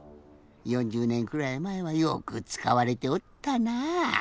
４０ねんくらいまえはよくつかわれておったなあ。